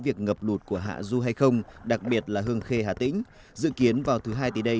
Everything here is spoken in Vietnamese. việc ngập lụt của hạ du hay không đặc biệt là hương khê hà tĩnh dự kiến vào thứ hai tới đây